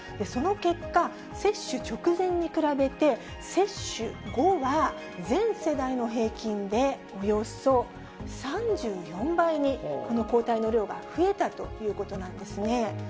その結果、接種直前に比べて、接種後は、全世代の平均で、およそ３４倍に、この抗体の量が増えたということなんですね。